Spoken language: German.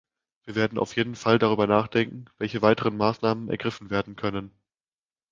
Wir werden auf jeden Fall darüber nachdenken, welche weiteren Maßnahmen ergriffen werden können.